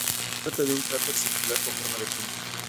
Se trata de un cráter circular con forma de cuenco.